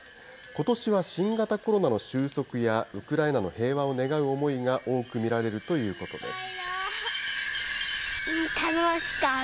ことしは新型コロナの終息や、ウクライナの平和を願う思いが多く見られるということです。